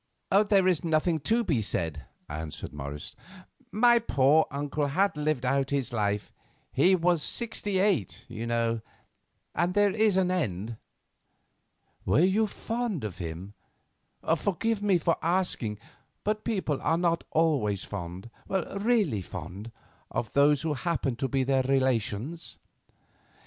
"There is nothing to be said," answered Morris; "my poor uncle had lived out his life—he was sixty eight, you know, and there is an end." "Were you fond of him? Forgive me for asking, but people are not always fond—really fond—of those who happen to be their relations."